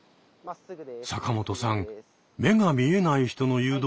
坂本さん目が見えない人の誘導